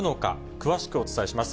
詳しくお伝えします。